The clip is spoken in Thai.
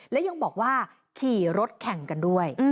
และยังบอกว่าขี่รถแข่งกันด้วย